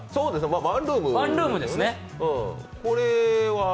ワンルームですね。